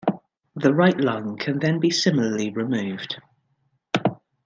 The right lung can then be similarly removed.